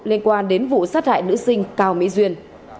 liên quan đến vụ sát hại nữ sinh cao mỹ duyên